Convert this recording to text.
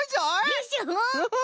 でしょ？